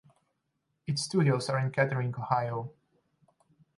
Its studios are in Kettering, Ohio.